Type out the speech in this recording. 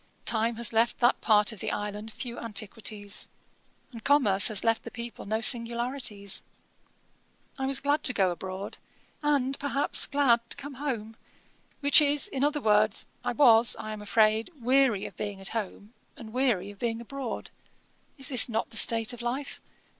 Time has left that part of the island few antiquities; and commerce has left the people no singularities. I was glad to go abroad, and, perhaps, glad to come home; which is, in other words, I was, I am afraid, weary of being at home, and weary of being abroad. Is not this the state of life?